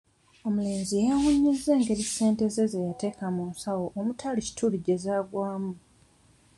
Omulenzi yeewuunyizza engeri ssente ze yateeka mu nsawo omutali kituli gye zaagwamu.